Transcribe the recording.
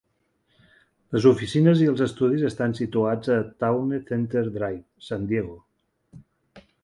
Les oficines i els estudis estan situats a Towne Center Drive, San Diego.